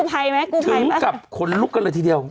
กูภัยไหมกูภัยไหมนะครับถึงกับคนลุกกันเลยทีเดียว